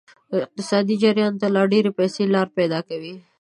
اقتصادي جریان ته لا ډیرې پیسې لار پیدا کوي.